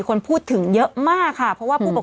กรมป้องกันแล้วก็บรรเทาสาธารณภัยนะคะ